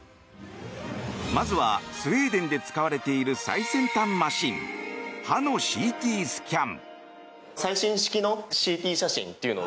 まずはスウェーデンで使われている最先端マシン歯のＣＴスキャン。